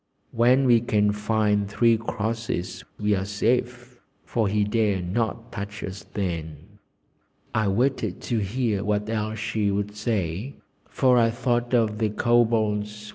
When we can find three crosses we are safe, for he dare not touch us then." I waited to hear what else she would say, for I thought of the Kobold's "_Why?